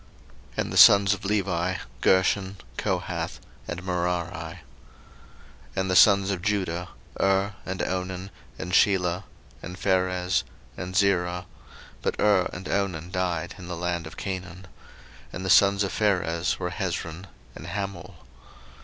01:046:011 And the sons of Levi; Gershon, Kohath, and Merari. 01:046:012 And the sons of Judah; Er, and Onan, and Shelah, and Pharez, and Zarah: but Er and Onan died in the land of Canaan. And the sons of Pharez were Hezron and Hamul.